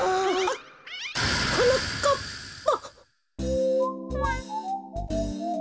はなかっぱ。